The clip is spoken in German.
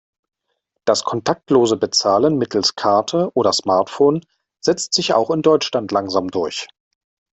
Das kontaktlose Bezahlen mittels Karte oder Smartphone setzt sich auch in Deutschland langsam durch.